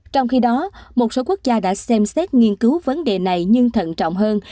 trong khi đó một số quốc gia đã xem xét nghiên cứu vấn đề này nhưng thận trọng hơn